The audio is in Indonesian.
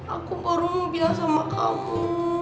aku baru mau bilang sama kamu